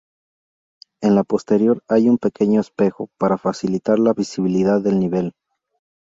En la posterior hay un pequeño espejo para facilitar la visibilidad del nivel.